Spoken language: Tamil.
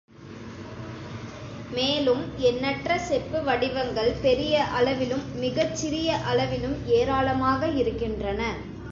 மேலும் எண்ணற்ற செப்பு வடிவங்கள் பெரிய அளவிலும் மிகச் சிறிய அளவிலும் ஏராளமாக இருக்கின்றன.